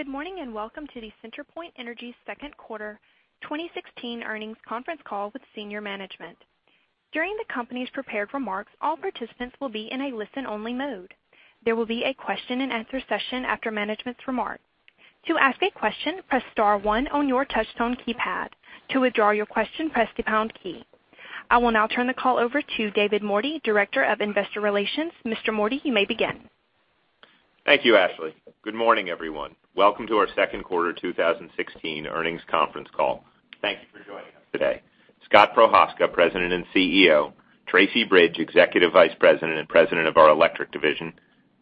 Good morning, welcome to the CenterPoint Energy second quarter 2016 earnings conference call with senior management. During the company's prepared remarks, all participants will be in a listen-only mode. There will be a question and answer session after management's remarks. To ask a question, press star one on your touch-tone keypad. To withdraw your question, press the pound key. I will now turn the call over to David Mordy, Director of Investor Relations. Mr. Mordy, you may begin. Thank you, Ashley. Good morning, everyone. Welcome to our second quarter 2016 earnings conference call. Thank you for joining us today. Scott Prochazka, President and CEO, Tracy Bridge, Executive Vice President and President of our Electric Division,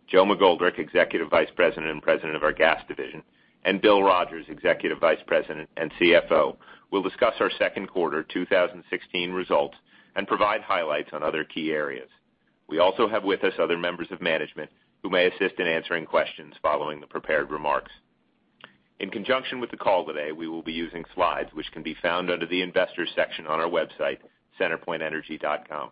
Joe McGoldrick, Executive Vice President and President of our Gas Division, and Bill Rogers, Executive Vice President and CFO, will discuss our second quarter 2016 results and provide highlights on other key areas. We also have with us other members of management who may assist in answering questions following the prepared remarks. In conjunction with the call today, we will be using slides which can be found under the Investors section on our website, centerpointenergy.com.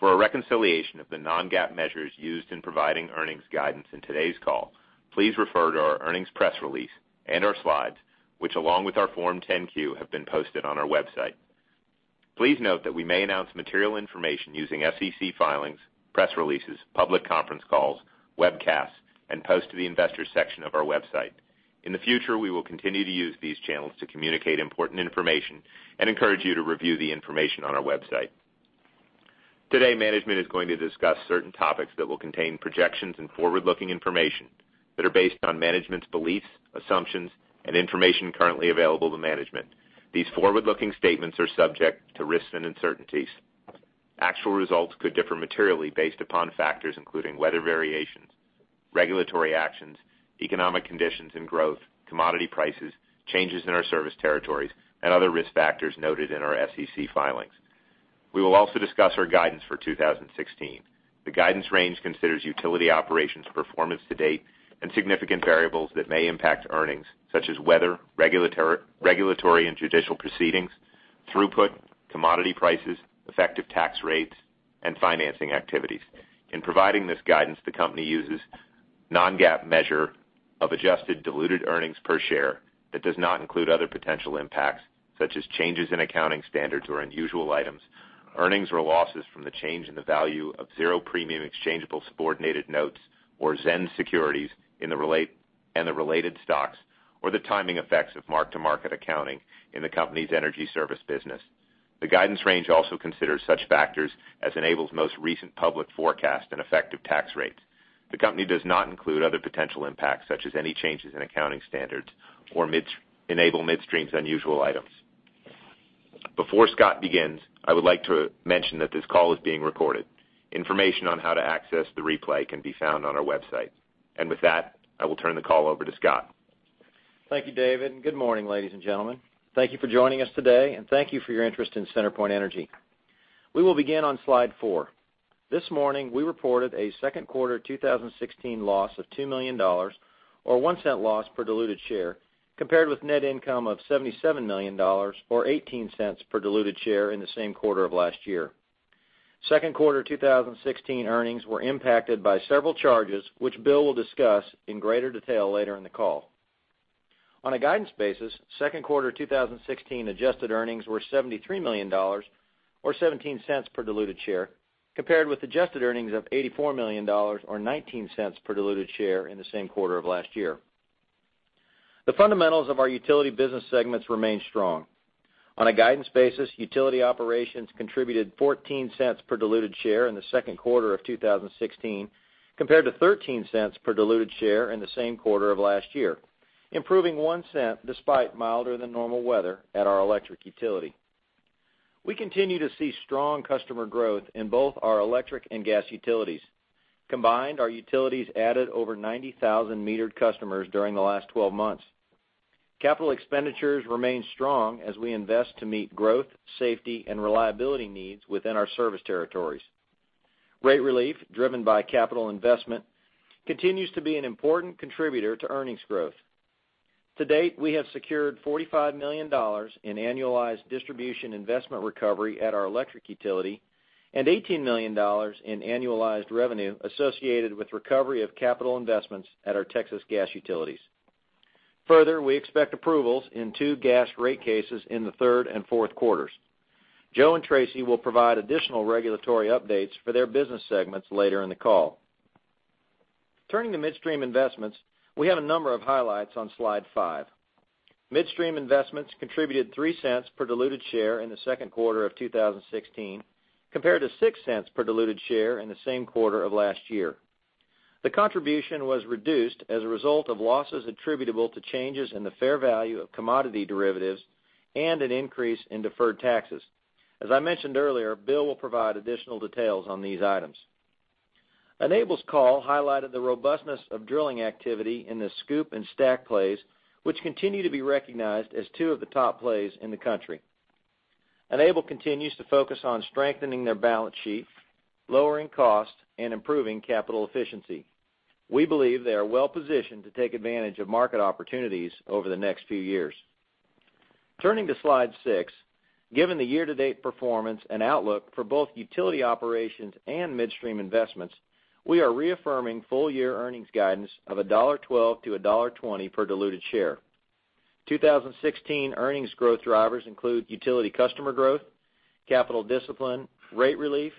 For a reconciliation of the non-GAAP measures used in providing earnings guidance in today's call, please refer to our earnings press release and our slides, which along with our Form 10-Q, have been posted on our website. Please note that we may announce material information using SEC filings, press releases, public conference calls, webcasts, and posts to the Investors section of our website. In the future, we will continue to use these channels to communicate important information and encourage you to review the information on our website. Today, management is going to discuss certain topics that will contain projections and forward-looking information that are based on management's beliefs, assumptions, and information currently available to management. These forward-looking statements are subject to risks and uncertainties. Actual results could differ materially based upon factors including weather variations, regulatory actions, economic conditions and growth, commodity prices, changes in our service territories, and other risk factors noted in our SEC filings. We will also discuss our guidance for 2016. The guidance range considers utility operations performance to date and significant variables that may impact earnings, such as weather, regulatory and judicial proceedings, throughput, commodity prices, effective tax rates, and financing activities. In providing this guidance, the company uses non-GAAP measure of adjusted diluted earnings per share that does not include other potential impacts, such as changes in accounting standards or unusual items, earnings or losses from the change in the value of zero premium exchangeable subordinated notes or ZENS securities and the related stocks, or the timing effects of mark-to-market accounting in the company's energy service business. The guidance range also considers such factors as Enable's most recent public forecast and effective tax rates. The company does not include other potential impacts, such as any changes in accounting standards or Enable Midstream's unusual items. Before Scott begins, I would like to mention that this call is being recorded. Information on how to access the replay can be found on our website. With that, I will turn the call over to Scott. Thank you, David. Good morning, ladies and gentlemen. Thank you for joining us today. Thank you for your interest in CenterPoint Energy. We will begin on slide four. This morning, we reported a second quarter 2016 loss of $2 million, or $0.01 loss per diluted share, compared with net income of $77 million or $0.18 per diluted share in the same quarter of last year. Second quarter 2016 earnings were impacted by several charges, which Bill will discuss in greater detail later in the call. On a guidance basis, second quarter 2016 adjusted earnings were $73 million or $0.17 per diluted share, compared with adjusted earnings of $84 million or $0.19 per diluted share in the same quarter of last year. The fundamentals of our utility business segments remain strong. On a guidance basis, utility operations contributed $0.14 per diluted share in the second quarter of 2016 compared to $0.13 per diluted share in the same quarter of last year, improving $0.01 despite milder than normal weather at our electric utility. We continue to see strong customer growth in both our electric and gas utilities. Combined, our utilities added over 90,000 metered customers during the last 12 months. Capital expenditures remain strong as we invest to meet growth, safety, and reliability needs within our service territories. Rate relief driven by capital investment continues to be an important contributor to earnings growth. To date, we have secured $45 million in annualized distribution investment recovery at our electric utility and $18 million in annualized revenue associated with recovery of capital investments at our Texas gas utilities. Further, we expect approvals in two gas rate cases in the third and fourth quarters. Joe and Tracy will provide additional regulatory updates for their business segments later in the call. Turning to midstream investments, we have a number of highlights on slide five. Midstream investments contributed $0.03 per diluted share in the second quarter of 2016, compared to $0.06 per diluted share in the same quarter of last year. The contribution was reduced as a result of losses attributable to changes in the fair value of commodity derivatives and an increase in deferred taxes. As I mentioned earlier, Bill will provide additional details on these items. Enable's call highlighted the robustness of drilling activity in the SCOOP and STACK plays, which continue to be recognized as two of the top plays in the country. Enable continues to focus on strengthening their balance sheet, lowering costs, and improving capital efficiency. We believe they are well-positioned to take advantage of market opportunities over the next few years. Turning to slide six, given the year-to-date performance and outlook for both utility operations and midstream investments, we are reaffirming full-year earnings guidance of $1.12 to $1.20 per diluted share. 2016 earnings growth drivers include utility customer growth, capital discipline, rate relief,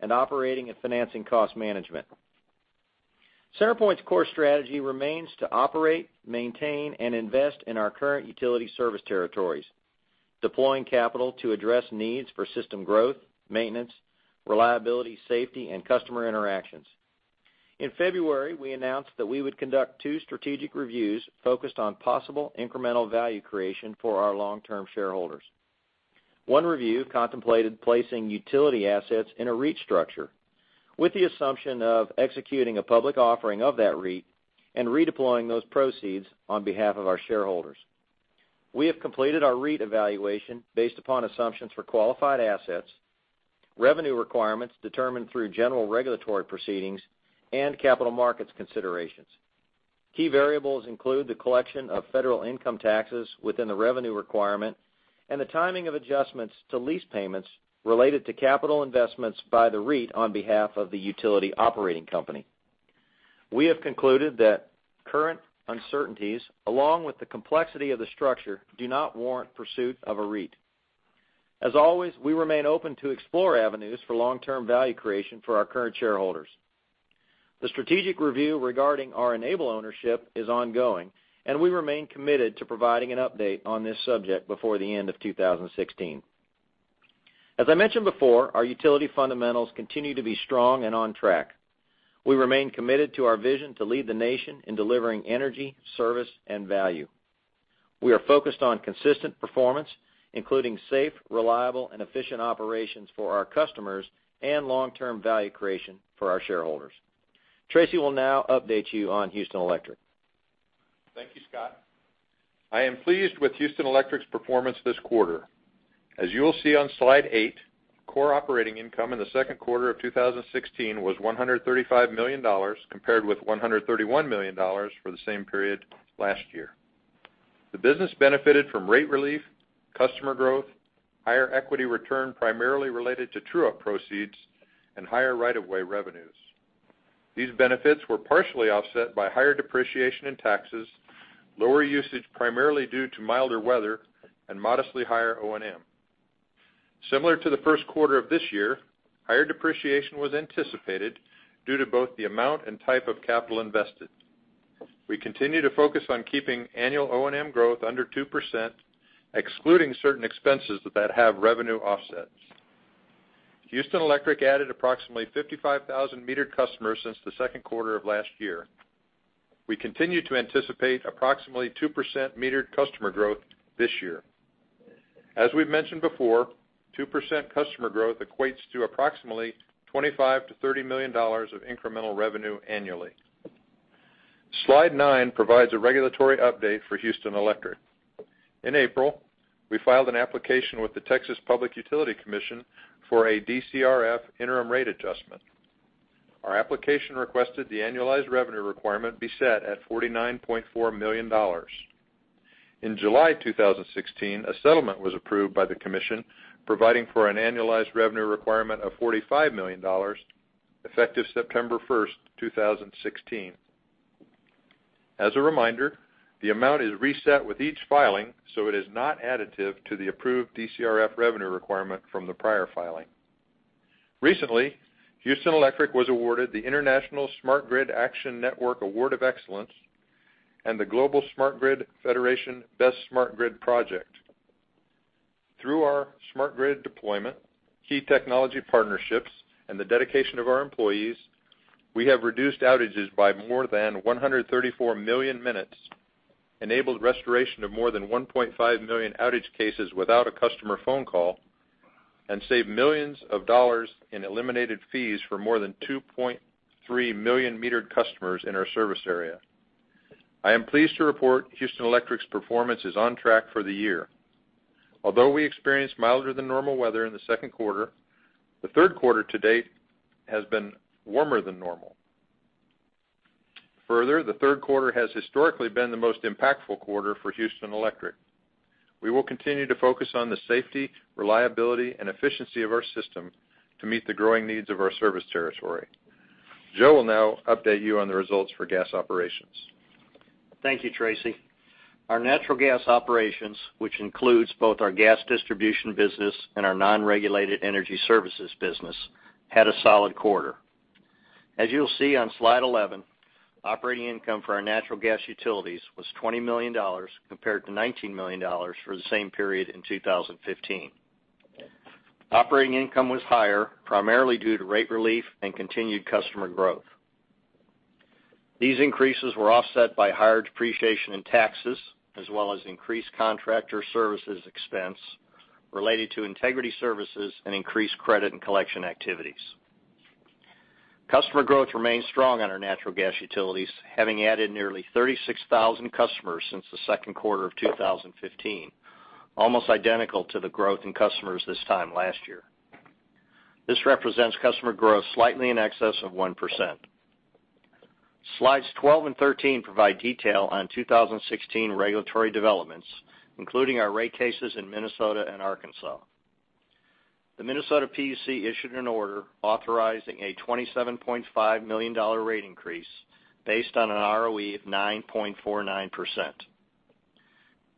and operating and financing cost management. CenterPoint's core strategy remains to operate, maintain, and invest in our current utility service territories, deploying capital to address needs for system growth, maintenance, reliability, safety, and customer interactions. In February, we announced that we would conduct two strategic reviews focused on possible incremental value creation for our long-term shareholders. One review contemplated placing utility assets in a REIT structure with the assumption of executing a public offering of that REIT and redeploying those proceeds on behalf of our shareholders. We have completed our REIT evaluation based upon assumptions for qualified assets, revenue requirements determined through general regulatory proceedings, and capital markets considerations. Key variables include the collection of federal income taxes within the revenue requirement and the timing of adjustments to lease payments related to capital investments by the REIT on behalf of the utility operating company. We have concluded that current uncertainties, along with the complexity of the structure, do not warrant pursuit of a REIT. As always, we remain open to explore avenues for long-term value creation for our current shareholders. We remain committed to providing an update on this subject before the end of 2016. As I mentioned before, our utility fundamentals continue to be strong and on track. We remain committed to our vision to lead the nation in delivering energy, service, and value. We are focused on consistent performance, including safe, reliable, and efficient operations for our customers and long-term value creation for our shareholders. Tracy will now update you on Houston Electric. Thank you, Scott. I am pleased with Houston Electric's performance this quarter. As you will see on slide eight, core operating income in the second quarter of 2016 was $135 million, compared with $131 million for the same period last year. The business benefited from rate relief, customer growth, higher equity return primarily related to true-up proceeds, and higher right-of-way revenues. These benefits were partially offset by higher depreciation in taxes, lower usage, primarily due to milder weather, and modestly higher O&M. Similar to the first quarter of this year, higher depreciation was anticipated due to both the amount and type of capital invested. We continue to focus on keeping annual O&M growth under 2%, excluding certain expenses that have revenue offsets. Houston Electric added approximately 55,000 metered customers since the second quarter of last year. We continue to anticipate approximately 2% metered customer growth this year. As we've mentioned before, 2% customer growth equates to approximately $25 million to $30 million of incremental revenue annually. Slide nine provides a regulatory update for Houston Electric. In April, we filed an application with the Public Utility Commission of Texas for a DCRF interim rate adjustment. Our application requested the annualized revenue requirement be set at $49.4 million. In July 2016, a settlement was approved by the commission, providing for an annualized revenue requirement of $45 million, effective September 1st, 2016. As a reminder, the amount is reset with each filing, so it is not additive to the approved DCRF revenue requirement from the prior filing. Recently, Houston Electric was awarded the International Smart Grid Action Network Award of Excellence and the Global Smart Grid Federation Best Smart Grid Project. Thank you, Tracy. Through our smart grid deployment, key technology partnerships, and the dedication of our employees, we have reduced outages by more than 134 million minutes, enabled restoration of more than 1.5 million outage cases without a customer phone call, and saved millions of dollars in eliminated fees for more than 2.3 million metered customers in our service area. I am pleased to report Houston Electric's performance is on track for the year. Although we experienced milder than normal weather in the second quarter, the third quarter to date has been warmer than normal. Further, the third quarter has historically been the most impactful quarter for Houston Electric. We will continue to focus on the safety, reliability, and efficiency of our system to meet the growing needs of our service territory. Joe will now update you on the results for gas operations. Thank you, Tracy. Our natural gas operations, which includes both our gas distribution business and our non-regulated energy services business, had a solid quarter. As you'll see on slide 11, operating income for our natural gas utilities was $20 million, compared to $19 million for the same period in 2015. Operating income was higher, primarily due to rate relief and continued customer growth. These increases were offset by higher depreciation in taxes, as well as increased contractor services expense related to integrity services and increased credit and collection activities. Customer growth remains strong on our natural gas utilities, having added nearly 36,000 customers since the second quarter of 2015, almost identical to the growth in customers this time last year. This represents customer growth slightly in excess of 1%. Slides 12 and 13 provide detail on 2016 regulatory developments, including our rate cases in Minnesota and Arkansas. The Minnesota PUC issued an order authorizing a $27.5 million rate increase based on an ROE of 9.49%.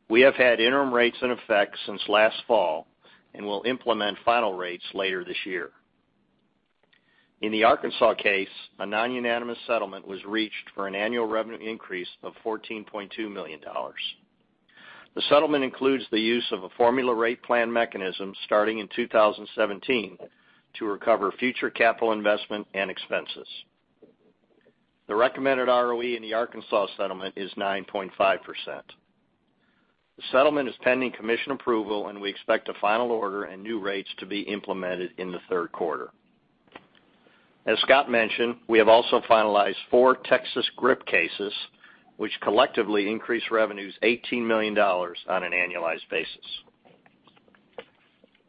We have had interim rates in effect since last fall and will implement final rates later this year. In the Arkansas case, a non-unanimous settlement was reached for an annual revenue increase of $14.2 million. The settlement includes the use of a formula rate plan mechanism starting in 2017 to recover future capital investment and expenses. The recommended ROE in the Arkansas settlement is 9.5%. The settlement is pending commission approval, and we expect a final order and new rates to be implemented in the third quarter. As Scott mentioned, we have also finalized four Texas GRIP cases, which collectively increase revenues $18 million on an annualized basis.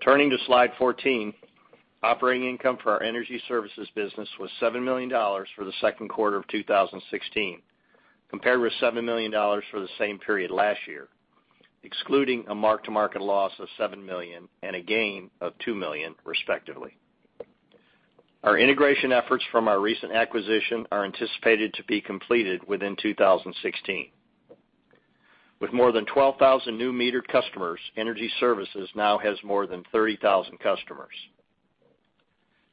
Turning to slide 14, operating income for our Energy Services business was $7 million for the second quarter of 2016, compared with $7 million for the same period last year, excluding a mark-to-market loss of $7 million and a gain of $2 million, respectively. Our integration efforts from our recent acquisition are anticipated to be completed within 2016. With more than 12,000 new metered customers, Energy Services now has more than 30,000 customers.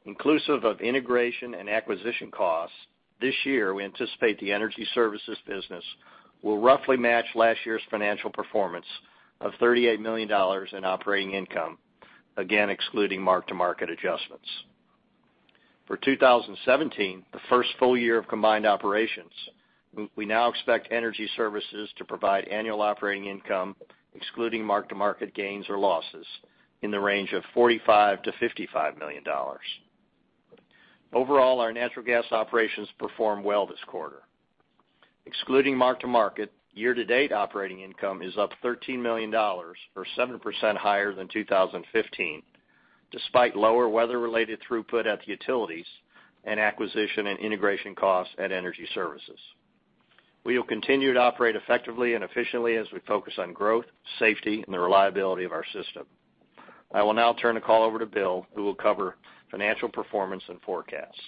Inclusive of integration and acquisition costs, this year, we anticipate the Energy Services business will roughly match last year's financial performance of $38 million in operating income, again, excluding mark-to-market adjustments. For 2017, the first full year of combined operations, we now expect Energy Services to provide annual operating income, excluding mark-to-market gains or losses, in the range of $45 million-$55 million. Overall, our natural gas operations performed well this quarter. Excluding mark-to-market, year-to-date operating income is up $13 million, or 7% higher than 2015, despite lower weather-related throughput at the utilities and acquisition and integration costs at Energy Services. We will continue to operate effectively and efficiently as we focus on growth, safety, and the reliability of our system. I will now turn the call over to Bill, who will cover financial performance and forecasts.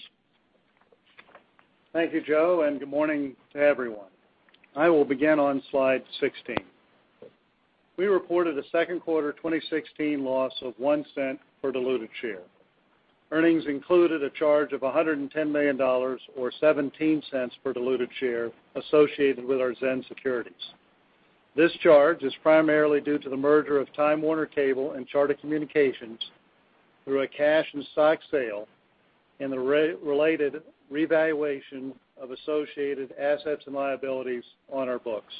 Thank you, Joe, and good morning to everyone. I will begin on slide 16. We reported a second quarter 2016 loss of $0.01 per diluted share. Earnings included a charge of $110 million or $0.17 per diluted share associated with our ZENS securities. This charge is primarily due to the merger of Time Warner Cable and Charter Communications through a cash and stock sale and the related revaluation of associated assets and liabilities on our books.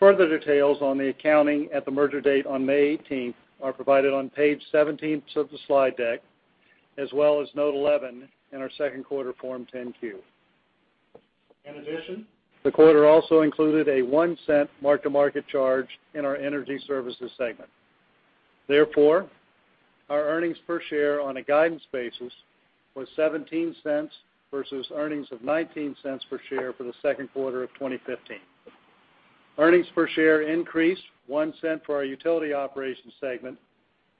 Further details on the accounting at the merger date on May 18th are provided on page 17 of the slide deck, as well as note 11 in our second quarter Form 10-Q. In addition, the quarter also included a $0.01 mark-to-market charge in our Energy Services segment. Therefore, our earnings per share on a guidance basis was $0.17 versus earnings of $0.19 per share for the second quarter of 2015. Earnings per share increased $0.01 for our utility operations segment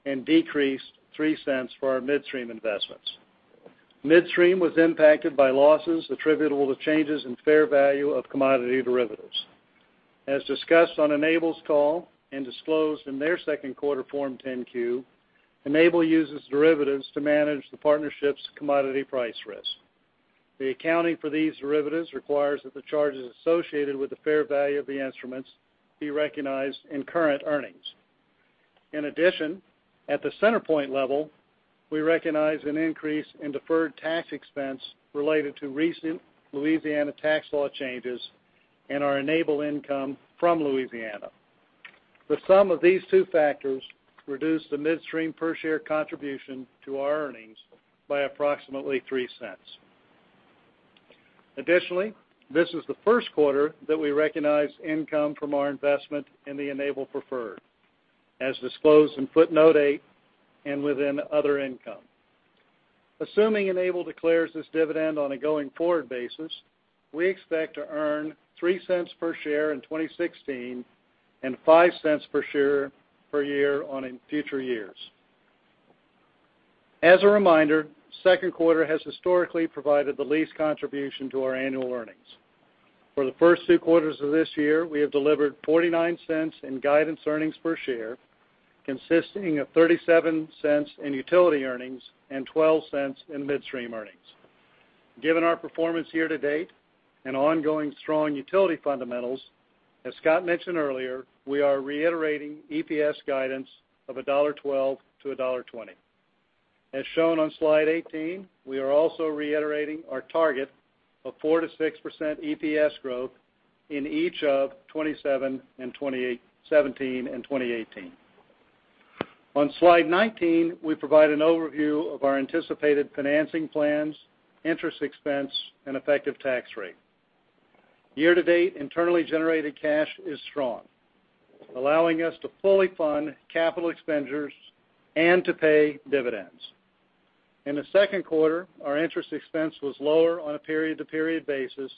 and decreased $0.03 for our midstream investments. Midstream was impacted by losses attributable to changes in fair value of commodity derivatives. As discussed on Enable's call and disclosed in their second quarter Form 10-Q, Enable uses derivatives to manage the partnership's commodity price risk. The accounting for these derivatives requires that the charges associated with the fair value of the instruments be recognized in current earnings. In addition, at the CenterPoint level, we recognize an increase in deferred tax expense related to recent Louisiana tax law changes and our Enable income from Louisiana. The sum of these two factors reduced the midstream per share contribution to our earnings by approximately $0.03. Additionally, this is the first quarter that we recognized income from our investment in the Enable preferred, as disclosed in footnote eight and within other income. Assuming Enable declares this dividend on a going-forward basis, we expect to earn $0.03 per share in 2016 and $0.05 per share per year on in future years. As a reminder, second quarter has historically provided the least contribution to our annual earnings. For the first two quarters of this year, we have delivered $0.49 in guidance earnings per share, consisting of $0.37 in utility earnings and $0.12 in midstream earnings. Given our performance year to date and ongoing strong utility fundamentals, as Scott mentioned earlier, we are reiterating EPS guidance of $1.12-$1.20. As shown on slide 18, we are also reiterating our target of 4%-6% EPS growth in each of 2017 and 2018. On slide 19, we provide an overview of our anticipated financing plans, interest expense, and effective tax rate. Year-to-date internally generated cash is strong, allowing us to fully fund capital expenditures and to pay dividends. In the second quarter, our interest expense was lower on a period-to-period basis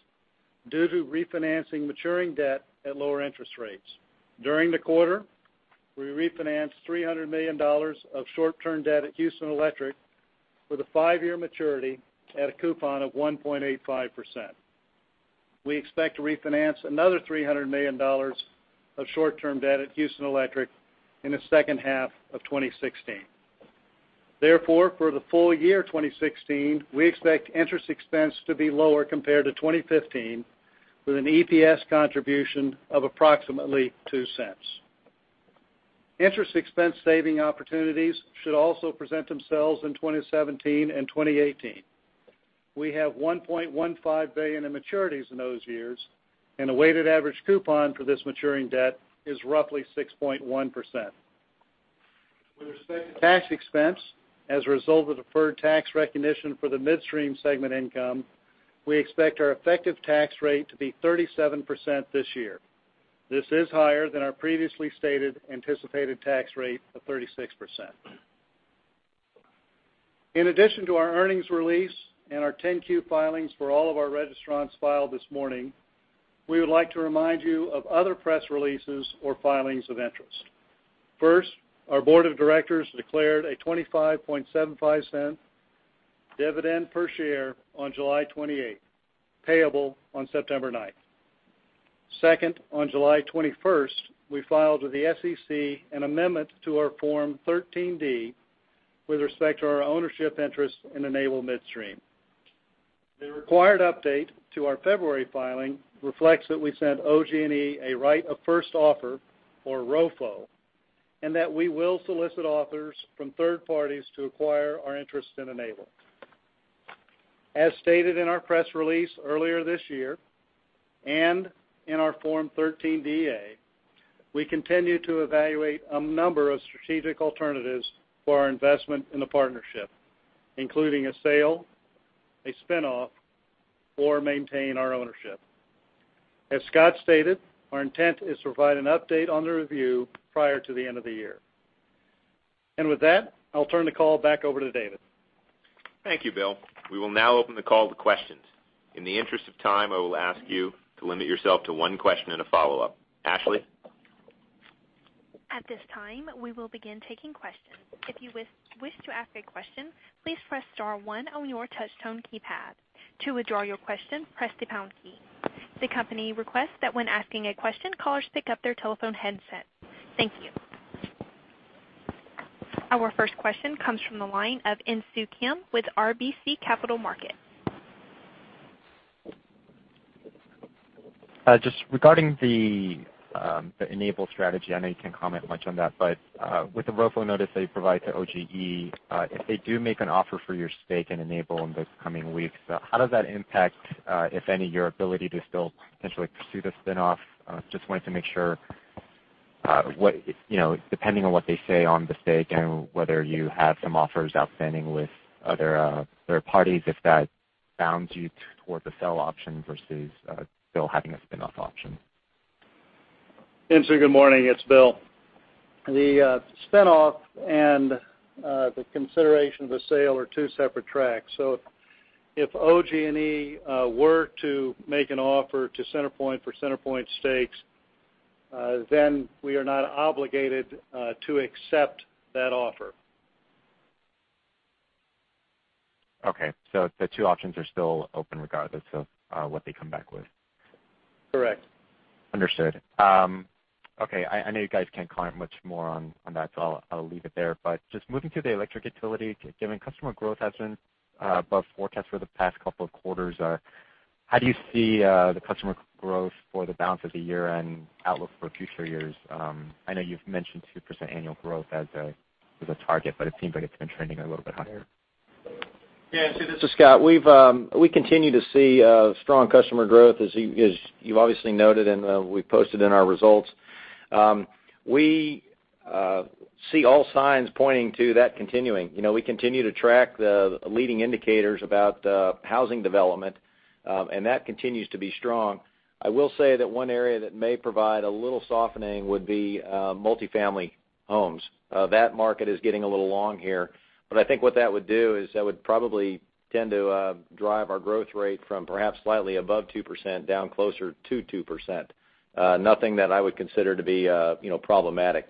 due to refinancing maturing debt at lower interest rates. During the quarter, we refinanced $300 million of short-term debt at Houston Electric with a five-year maturity at a coupon of 1.85%. We expect to refinance another $300 million of short-term debt at Houston Electric in the second half of 2016. Therefore, for the full year 2016, we expect interest expense to be lower compared to 2015, with an EPS contribution of approximately $0.02. Interest expense saving opportunities should also present themselves in 2017 and 2018. We have $1.15 billion in maturities in those years, and a weighted average coupon for this maturing debt is roughly 6.1%. With respect to tax expense, as a result of deferred tax recognition for the midstream segment income, we expect our effective tax rate to be 37% this year. This is higher than our previously stated anticipated tax rate of 36%. In addition to our earnings release and our Form 10-Q filings for all of our registrants filed this morning, we would like to remind you of other press releases or filings of interest. First, our board of directors declared a $0.2575 dividend per share on July 28th, payable on September 9th. Second, on July 21st, we filed with the SEC an amendment to our Form 13D with respect to our ownership interest in Enable Midstream. The required update to our February filing reflects that we sent OG&E a right of first offer, or ROFO, and that we will solicit offers from third parties to acquire our interest in Enable. As stated in our press release earlier this year, in our Form 13D/A, we continue to evaluate a number of strategic alternatives for our investment in the partnership, including a sale, a spin-off, or maintain our ownership. As Scott stated, our intent is to provide an update on the review prior to the end of the year. With that, I'll turn the call back over to David. Thank you, Bill. We will now open the call to questions. In the interest of time, I will ask you to limit yourself to one question and a follow-up. Ashley? At this time, we will begin taking questions. If you wish to ask a question, please press star one on your touch tone keypad. To withdraw your question, press the pound key. The company requests that when asking a question, callers pick up their telephone headset. Thank you. Our first question comes from the line of Insoo Kim with RBC Capital Markets. Just regarding the Enable strategy, I know you can't comment much on that, but with the ROFO notice that you provided to OG&E, if they do make an offer for your stake in Enable in the coming weeks, how does that impact, if any, your ability to still potentially pursue the spin-off? Just wanted to make sure, depending on what they say on the stake and whether you have some offers outstanding with other parties, if that bounds you toward the sell option versus still having a spin-off option. Insoo, good morning. It's Bill. The spin-off and the consideration of a sale are two separate tracks. If OG&E were to make an offer to CenterPoint for CenterPoint's stakes, then we are not obligated to accept that offer. The two options are still open regardless of what they come back with. Correct. Understood. Okay, I know you guys can't comment much more on that, I'll leave it there. Just moving to the electric utility, given customer growth has been above forecast for the past couple of quarters, how do you see the customer growth for the balance of the year and outlook for future years? I know you've mentioned 2% annual growth as a target, it seems like it's been trending a little bit higher. Yeah, Insoo, this is Scott. We continue to see strong customer growth, as you obviously noted we've posted in our results. We see all signs pointing to that continuing. We continue to track the leading indicators about housing development, that continues to be strong. I will say that one area that may provide a little softening would be multifamily homes. That market is getting a little long here, I think what that would do is that would probably tend to drive our growth rate from perhaps slightly above 2% down closer to 2%. Nothing that I would consider to be problematic.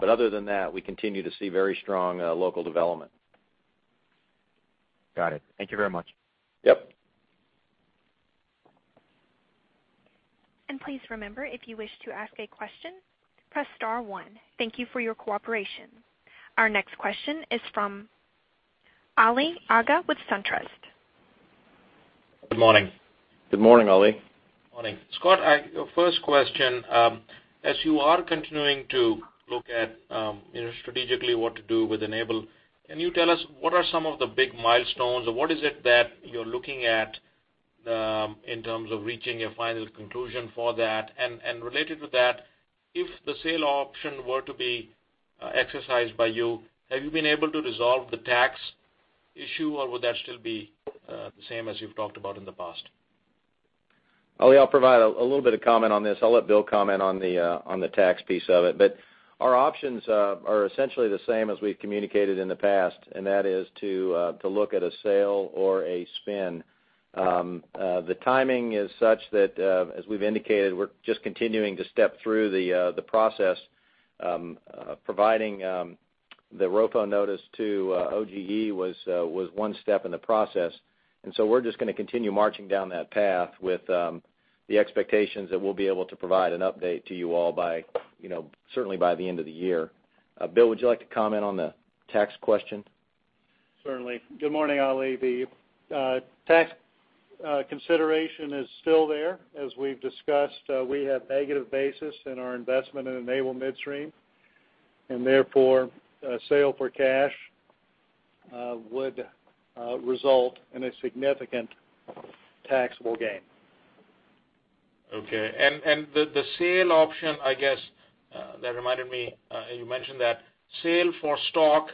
Other than that, we continue to see very strong local development. Got it. Thank you very much. Yep. Please remember, if you wish to ask a question, press star one. Thank you for your cooperation. Our next question is from Ali Agha with SunTrust. Good morning. Good morning, Ali. Morning. Scott, first question. As you are continuing to look at strategically what to do with Enable, can you tell us what are some of the big milestones or what is it that you're looking at in terms of reaching a final conclusion for that. Related to that, if the sale option were to be exercised by you, have you been able to resolve the tax issue or would that still be the same as you've talked about in the past? Ali, I'll provide a little bit of comment on this. I'll let Bill comment on the tax piece of it. Our options are essentially the same as we've communicated in the past, and that is to look at a sale or a spin. The timing is such that, as we've indicated, we're just continuing to step through the process. Providing the ROFO notice to OG&E was one step in the process. We're just going to continue marching down that path with the expectations that we'll be able to provide an update to you all certainly by the end of the year. Bill, would you like to comment on the tax question? Certainly. Good morning, Ali. The tax consideration is still there. As we've discussed, we have negative basis in our investment in Enable Midstream, therefore, a sale for cash would result in a significant taxable gain. Okay. The sale option, I guess, that reminded me, you mentioned that sale for stock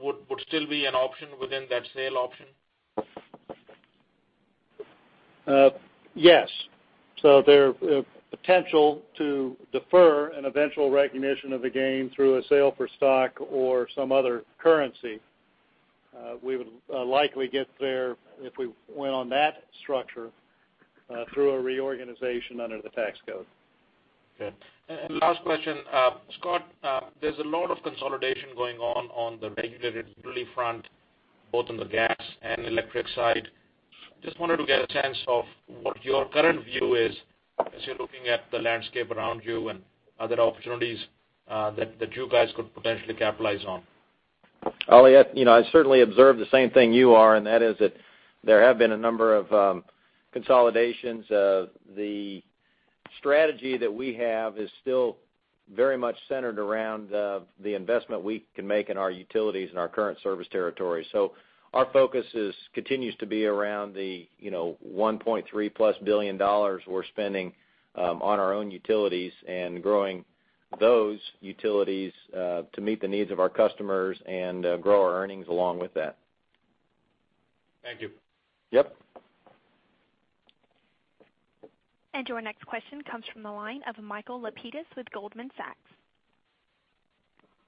would still be an option within that sale option? Yes. There potential to defer an eventual recognition of the gain through a sale for stock or some other currency. We would likely get there if we went on that structure through a reorganization under the tax code. Okay. Last question. Scott, there is a lot of consolidation going on the regulated utility front, both on the gas and electric side. Just wanted to get a sense of what your current view is as you are looking at the landscape around you and other opportunities that you guys could potentially capitalize on. Ali, I certainly observe the same thing you are. That is that there have been a number of consolidations. The strategy that we have is still very much centered around the investment we can make in our utilities and our current service territory. Our focus continues to be around the $1.3 plus billion we are spending on our own utilities and growing those utilities to meet the needs of our customers and grow our earnings along with that. Thank you. Yep. Your next question comes from the line of Michael Lapides with Goldman Sachs.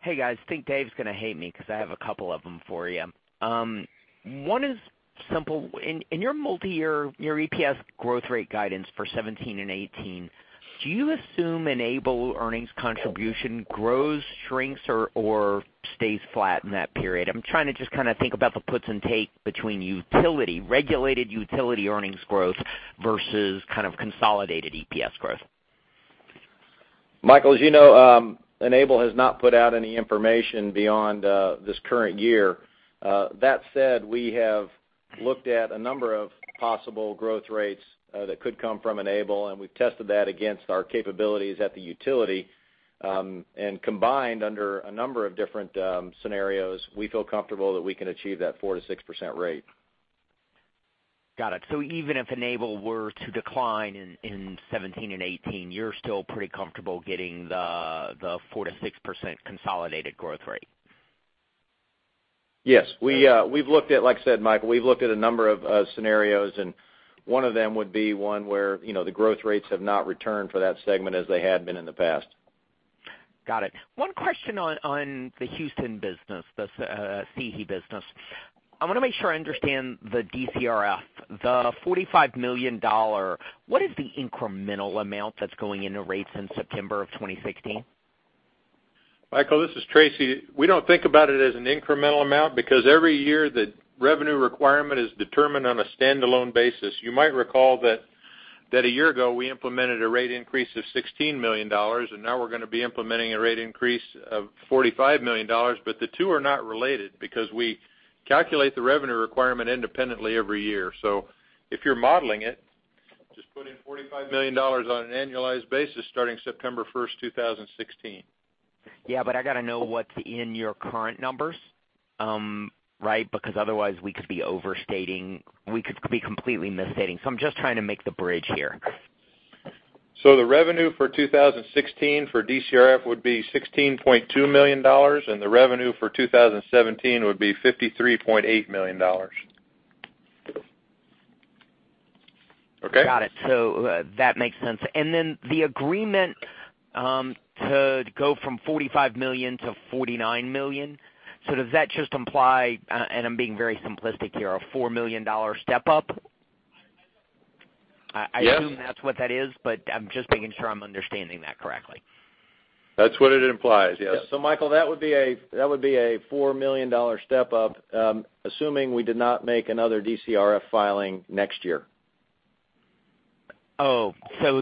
Hey, guys. Think Dave's going to hate me because I have a couple of them for you. One is simple. In your multi-year EPS growth rate guidance for 2017 and 2018, do you assume Enable earnings contribution grows, shrinks, or stays flat in that period? I'm trying to just kind of think about the puts and take between utility, regulated utility earnings growth versus kind of consolidated EPS growth. Michael, as you know, Enable has not put out any information beyond this current year. That said, we have looked at a number of possible growth rates that could come from Enable, and we've tested that against our capabilities at the utility. Combined under a number of different scenarios, we feel comfortable that we can achieve that 4%-6% rate. Got it. Even if Enable were to decline in 2017 and 2018, you're still pretty comfortable getting the 4%-6% consolidated growth rate? Yes. Like I said, Michael, we've looked at a number of scenarios, and one of them would be one where the growth rates have not returned for that segment as they had been in the past. Got it. One question on the Houston business, the CERC business. I want to make sure I understand the DCRF. The $45 million, what is the incremental amount that's going into rates in September of 2016? Michael, this is Tracy. We don't think about it as an incremental amount because every year the revenue requirement is determined on a standalone basis. You might recall that a year ago we implemented a rate increase of $16 million, now we're going to be implementing a rate increase of $45 million, the two are not related because we calculate the revenue requirement independently every year. If you're modeling it, just put in $45 million on an annualized basis starting September 1st, 2016. Yeah. I got to know what's in your current numbers, right? Otherwise we could be completely misstating. I'm just trying to make the bridge here. The revenue for 2016 for DCRF would be $16.2 million, the revenue for 2017 would be $53.8 million. Okay? Got it. That makes sense. The agreement to go from $45 million to $49 million. Does that just imply, and I'm being very simplistic here, a $4 million step-up? Yes. I assume that's what that is, but I'm just making sure I'm understanding that correctly. That's what it implies, yes. Michael, that would be a $4 million step-up, assuming we did not make another DCRF filing next year.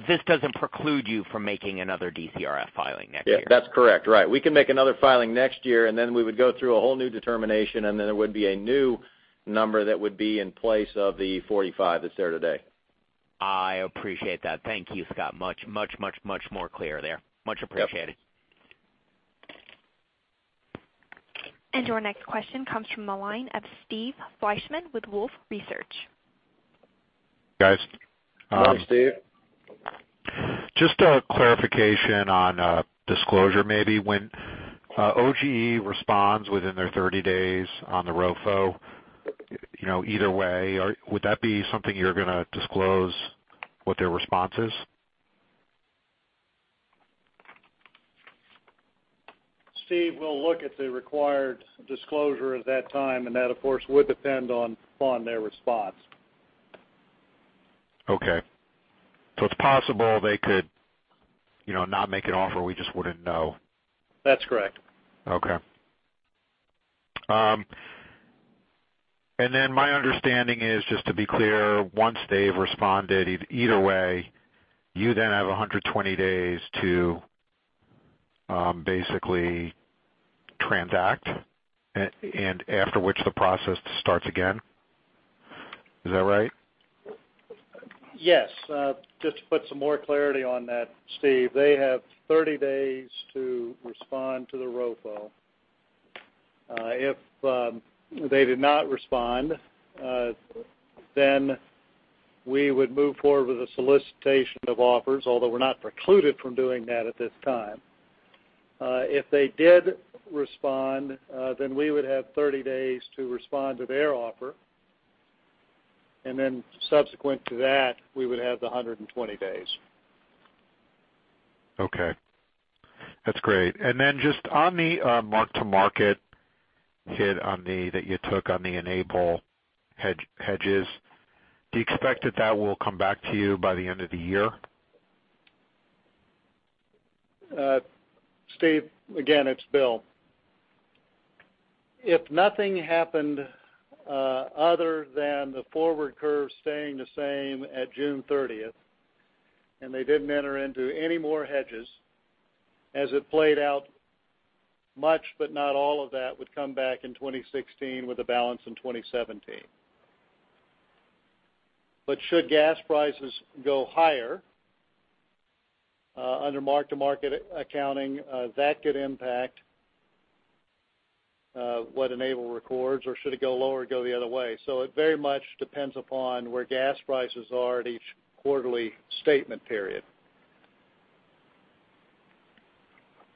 This doesn't preclude you from making another DCRF filing next year? Yeah, that's correct. Right. We can make another filing next year. Then we would go through a whole new determination. Then there would be a new number that would be in place of the 45 that's there today. I appreciate that. Thank you, Scott. Much more clear there. Much appreciated. Your next question comes from the line of Steve Fleishman with Wolfe Research. Guys. Good morning, Steve. Just a clarification on disclosure maybe. When OG&E responds within their 30 days on the ROFO, either way, would that be something you're going to disclose what their response is? Steve, we'll look at the required disclosure at that time. That, of course, would depend on their response. Okay. It's possible they could not make an offer, we just wouldn't know. That's correct. Okay. Then my understanding is, just to be clear, once they've responded, either way, you then have 120 days to basically transact, after which the process starts again. Is that right? Yes. Just to put some more clarity on that, Steve. They have 30 days to respond to the ROFO. If they did not respond, we would move forward with a solicitation of offers, although we're not precluded from doing that at this time. If they did respond, we would have 30 days to respond to their offer, then subsequent to that, we would have the 120 days. Okay. That's great. Then just on the mark-to-market hit that you took on the Enable hedges, do you expect that that will come back to you by the end of the year? Steve, again, it's Bill. If nothing happened other than the forward curve staying the same at June 30th, and they didn't enter into any more hedges, as it played out, much, but not all of that would come back in 2016 with a balance in 2017. Should gas prices go higher, under mark-to-market accounting, that could impact what Enable records or should it go lower, it go the other way. It very much depends upon where gas prices are at each quarterly statement period.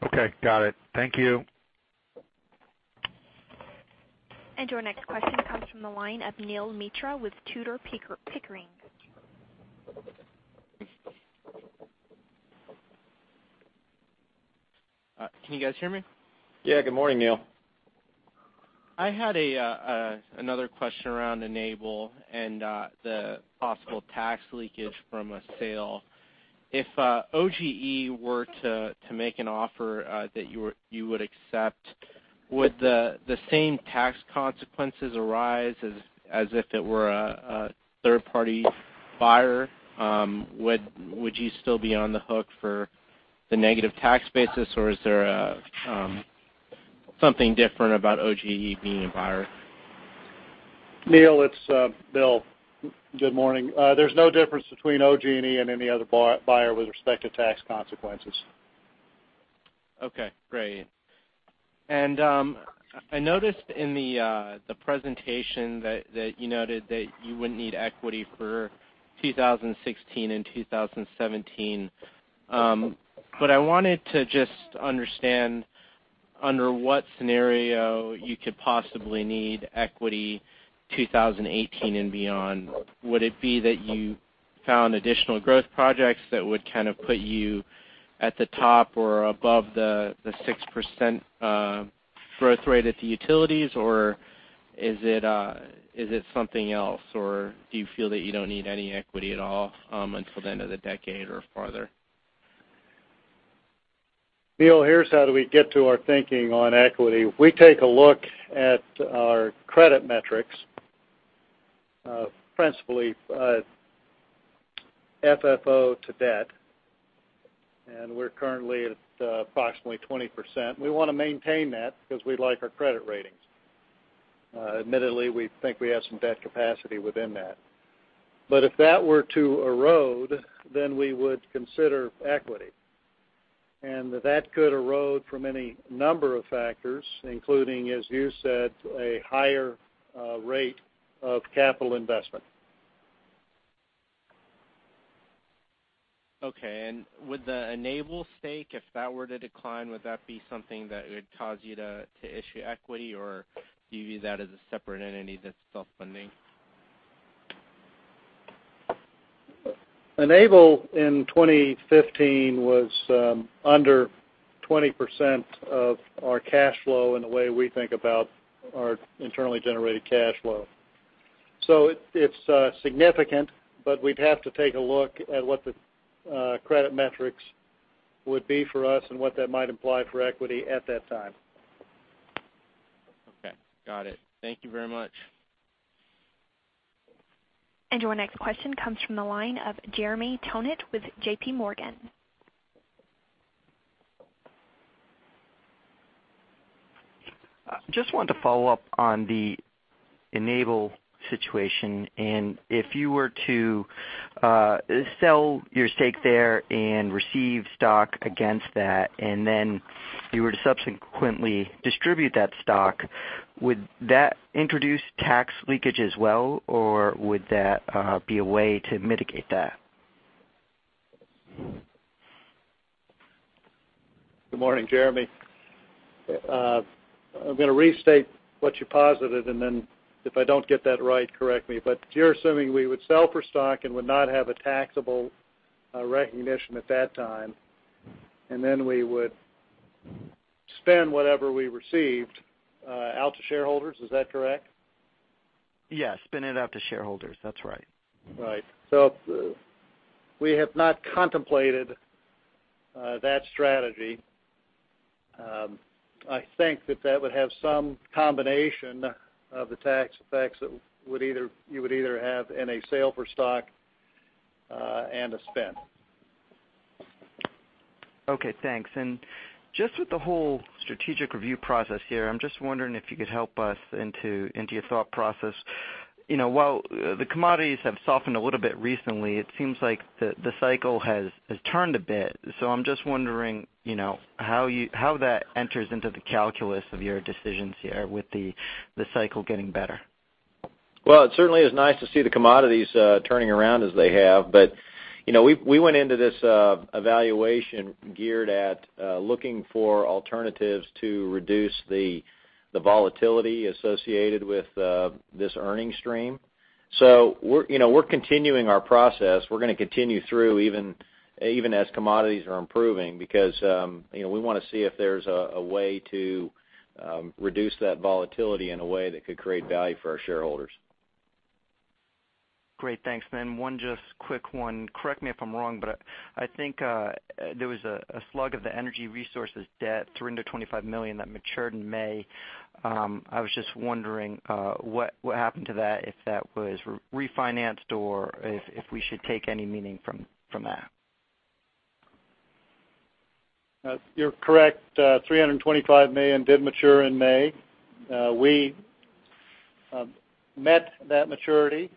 Okay. Got it. Thank you. Your next question comes from the line of Neel Mitra with Tudor, Pickering. Can you guys hear me? Yeah. Good morning, Neel. I had another question around Enable and the possible tax leakage from a sale. If OG&E were to make an offer that you would accept, would the same tax consequences arise as if it were a third-party buyer? Would you still be on the hook for the negative tax basis, or is there something different about OG&E being a buyer? Neel, it's Bill. Good morning. There's no difference between OG&E and any other buyer with respect to tax consequences. Okay, great. I noticed in the presentation that you noted that you wouldn't need equity for 2016 and 2017. I wanted to just understand under what scenario you could possibly need equity 2018 and beyond. Would it be that you found additional growth projects that would kind of put you at the top or above the 6% growth rate at the utilities, or is it something else, or do you feel that you don't need any equity at all until the end of the decade or farther? Neel, here's how we get to our thinking on equity. We take a look at our credit metrics, principally FFO to debt, and we're currently at approximately 20%. We want to maintain that because we like our credit ratings. Admittedly, we think we have some debt capacity within that. If that were to erode, then we would consider equity. That could erode from any number of factors, including, as you said, a higher rate of capital investment. Okay. Would the Enable stake, if that were to decline, would that be something that would cause you to issue equity, or do you view that as a separate entity that's self-funding? Enable in 2015 was under 20% of our cash flow in the way we think about our internally generated cash flow. It's significant, but we'd have to take a look at what the credit metrics would be for us and what that might imply for equity at that time. Okay. Got it. Thank you very much. Your next question comes from the line of Jeremy Tonet with J.P. Morgan. Just wanted to follow up on the Enable situation. If you were to sell your stake there and receive stock against that, then you were to subsequently distribute that stock, would that introduce tax leakage as well, or would that be a way to mitigate that? Good morning, Jeremy. I'm going to restate what you posited, and then if I don't get that right, correct me, but you're assuming we would sell for stock and would not have a taxable recognition at that time, and then we would spend whatever we received out to shareholders. Is that correct? Yes, spin it out to shareholders. That's right. Right. We have not contemplated that strategy. I think that that would have some combination of the tax effects that you would either have in a sale for stock and a spend. Okay, thanks. Just with the whole strategic review process here, I'm just wondering if you could help us into your thought process. While the commodities have softened a little bit recently, it seems like the cycle has turned a bit. I'm just wondering how that enters into the calculus of your decisions here with the cycle getting better. Well, it certainly is nice to see the commodities turning around as they have, but we went into this evaluation geared at looking for alternatives to reduce the volatility associated with this earning stream. We're continuing our process. We're going to continue through even as commodities are improving, because we want to see if there's a way to reduce that volatility in a way that could create value for our shareholders. Great. Thanks. One just quick one. Correct me if I'm wrong, but I think there was a slug of the Energy Resources debt, $325 million, that matured in May. I was just wondering what happened to that, if that was refinanced or if we should take any meaning from that. You're correct. $325 million did mature in May. We met that maturity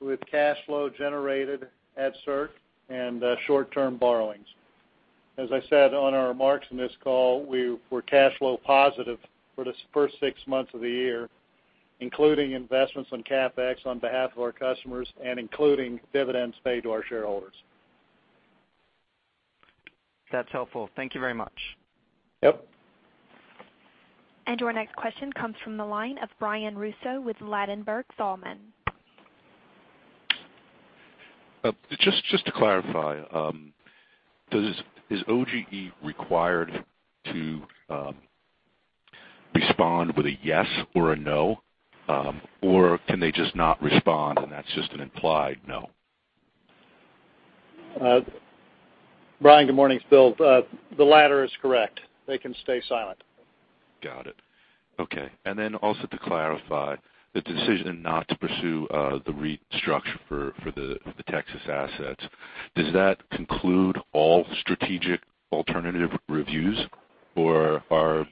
with cash flow generated at CERC and short-term borrowings. As I said on our remarks in this call, we were cash flow positive for the first six months of the year, including investments in CapEx on behalf of our customers and including dividends paid to our shareholders. That's helpful. Thank you very much. Yep. Our next question comes from the line of Brian Russo with Ladenburg Thalmann. Just to clarify, is OG&E required to respond with a yes or a no, or can they just not respond and that's just an implied no? Brian, good morning. It's Bill. The latter is correct. They can stay silent. Got it. Okay. Also to clarify, the decision not to pursue the restructure for the Texas assets, does that conclude all strategic alternative reviews, or are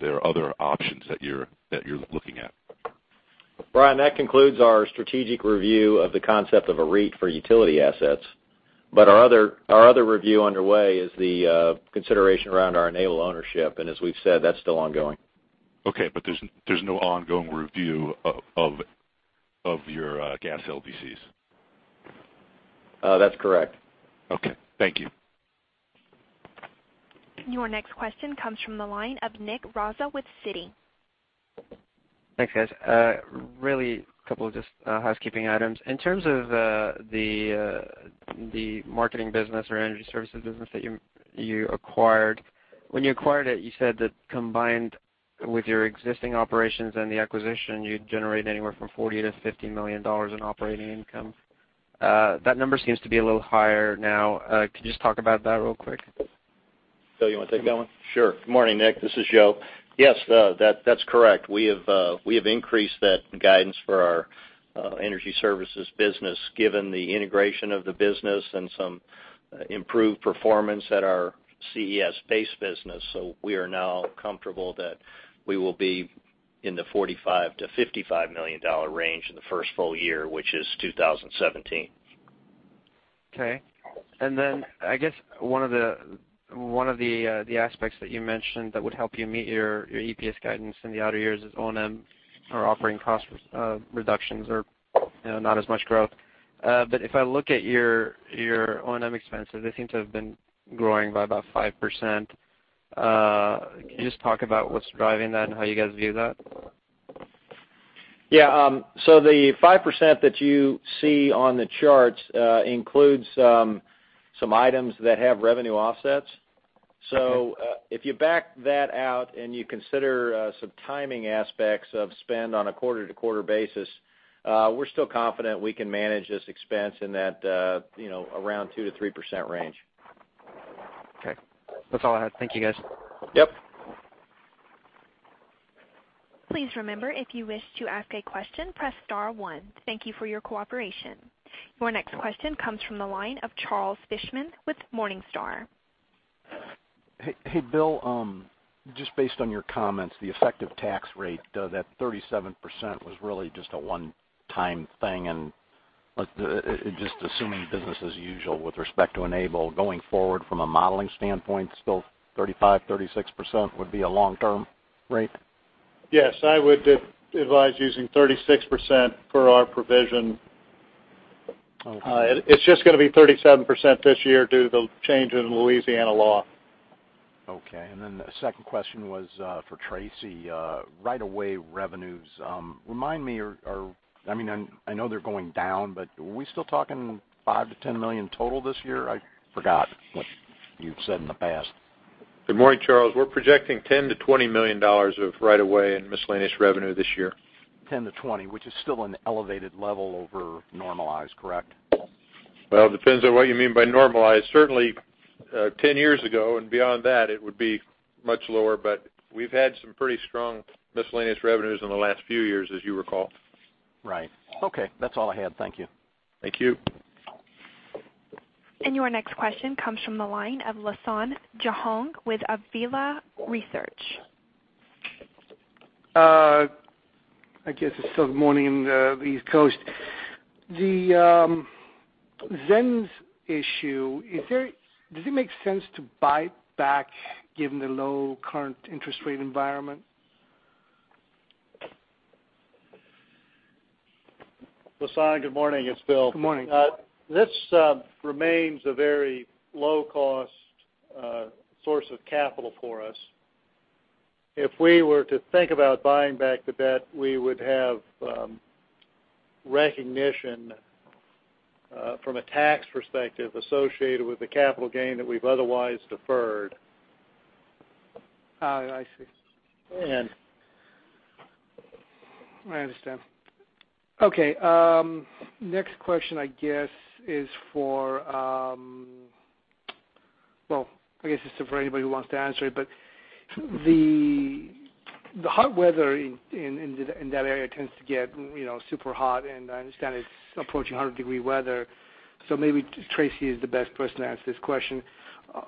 there other options that you're looking at? Brian, that concludes our strategic review of the concept of a REIT for utility assets. Our other review underway is the consideration around our Enable ownership. As we've said, that's still ongoing. Okay. There's no ongoing review of your gas LDCs. That's correct. Okay. Thank you. Your next question comes from the line of Nick Raza with Citi. Thanks, guys. Really, a couple of just housekeeping items. In terms of the marketing business or energy services business that you acquired. When you acquired it, you said that combined with your existing operations and the acquisition, you'd generate anywhere from $40 million-$50 million in operating income. That number seems to be a little higher now. Could you just talk about that real quick? Bill, you want to take that one? Sure. Good morning, Nick. This is Joe. Yes, that's correct. We have increased that guidance for our energy services business, given the integration of the business and some improved performance at our CES base business. We are now comfortable that we will be in the $45 million-$55 million range in the first full year, which is 2017. Okay. Then, I guess one of the aspects that you mentioned that would help you meet your EPS guidance in the outer years is O&M or operating cost reductions or not as much growth. If I look at your O&M expenses, they seem to have been growing by about 5%. Can you just talk about what's driving that and how you guys view that? Yeah. The 5% that you see on the charts includes some items that have revenue offsets. Okay. If you back that out and you consider some timing aspects of spend on a quarter-to-quarter basis, we're still confident we can manage this expense in that around 2%-3% range. Okay. That's all I had. Thank you, guys. Yep. Please remember, if you wish to ask a question, press *1. Thank you for your cooperation. Your next question comes from the line of Charles Fishman with Morningstar. Hey, Bill, just based on your comments, the effective tax rate, that 37% was really just a one-time thing. Just assuming business as usual with respect to Enable going forward from a modeling standpoint, still 35%-36% would be a long-term rate? Yes, I would advise using 36% for our provision. Okay. It's just going to be 37% this year due to the change in Louisiana law. Okay. Then the second question was for Tracy. Right-of-way revenues. Remind me, I know they're going down, but are we still talking $5 million-$10 million total this year? I forgot what you've said in the past. Good morning, Charles. We're projecting $10 million-$20 million of right-of-way and miscellaneous revenue this year. $10-$20, which is still an elevated level over normalized, correct? It depends on what you mean by normalized. Certainly, 10 years ago and beyond that, it would be much lower. We've had some pretty strong miscellaneous revenues in the last few years, as you recall. Right. Okay, that's all I had. Thank you. Thank you. Your next question comes from the line of Lasan Johong with Auvila Research. I guess it's still morning in the East Coast. The ZENS issue, does it make sense to buy back given the low current interest rate environment? Lasan, good morning, it's Bill. Good morning. This remains a very low-cost source of capital for us. If we were to think about buying back the debt, we would have recognition from a tax perspective associated with the capital gain that we've otherwise deferred. I see. Go ahead. I understand. Okay. Next question, I guess this is for anybody who wants to answer it, the hot weather in that area tends to get super hot, and I understand it's approaching 100-degree weather. Maybe Tracy is the best person to answer this question.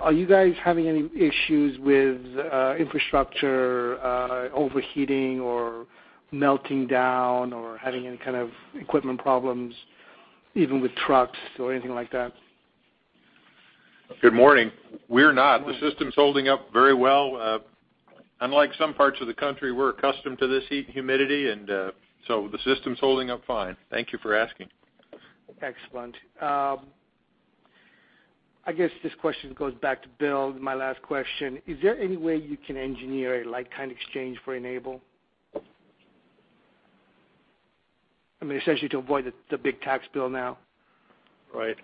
Are you guys having any issues with infrastructure overheating or melting down or having any kind of equipment problems, even with trucks or anything like that? Good morning. We're not. The system's holding up very well. Unlike some parts of the country, we're accustomed to this heat and humidity, the system's holding up fine. Thank you for asking. Excellent. I guess this question goes back to Bill. My last question. Is there any way you can engineer a like-kind exchange for Enable? I mean, essentially to avoid the big tax bill now. Right.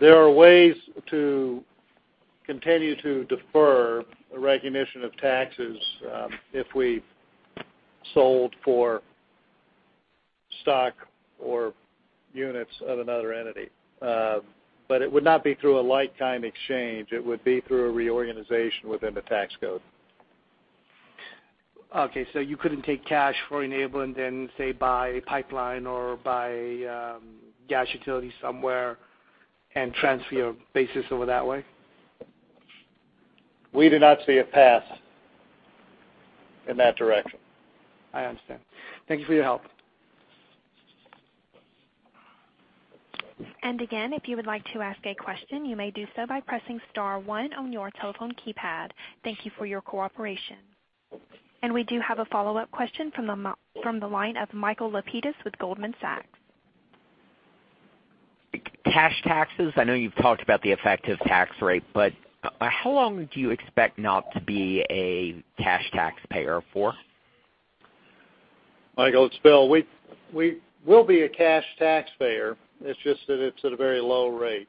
There are ways to continue to defer a recognition of taxes if we sold for stock or units of another entity. It would not be through a like-kind exchange. It would be through a reorganization within the tax code. Okay. You couldn't take cash for Enable and then, say, buy pipeline or buy gas utility somewhere and transfer your basis over that way? We do not see a path in that direction. I understand. Thank you for your help. Again, if you would like to ask a question, you may do so by pressing star 1 on your telephone keypad. Thank you for your cooperation. We do have a follow-up question from the line of Michael Lapides with Goldman Sachs. Cash taxes. I know you've talked about the effective tax rate, but how long do you expect not to be a cash taxpayer for? Michael, it's Bill. We will be a cash taxpayer. It's just that it's at a very low rate.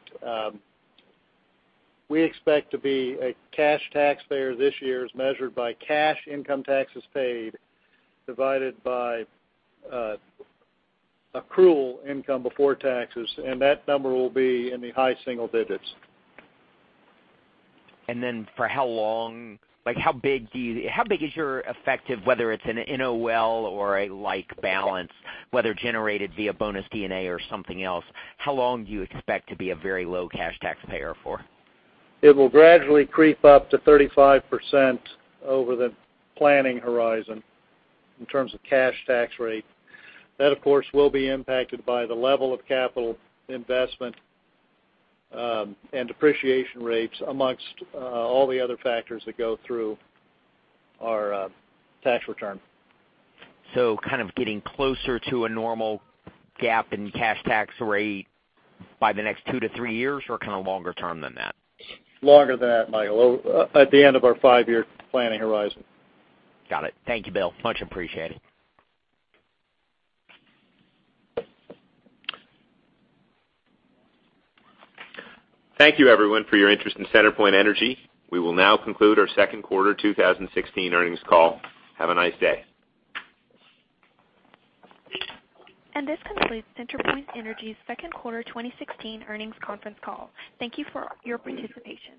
We expect to be a cash taxpayer this year as measured by cash income taxes paid, divided by accrual income before taxes, that number will be in the high single digits. Then for how long? How big is your effective, whether it's an NOL or a like balance, whether generated via bonus D&A or something else, how long do you expect to be a very low cash taxpayer for? It will gradually creep up to 35% over the planning horizon in terms of cash tax rate. That, of course, will be impacted by the level of capital investment and depreciation rates amongst all the other factors that go through our tax return. Kind of getting closer to a normal GAAP in cash tax rate by the next two to three years, or kind of longer term than that? Longer than that, Michael. At the end of our five-year planning horizon. Got it. Thank you, Bill. Much appreciated. Thank you, everyone, for your interest in CenterPoint Energy. We will now conclude our second quarter 2016 earnings call. Have a nice day. This concludes CenterPoint Energy's second quarter 2016 earnings conference call. Thank you for your participation.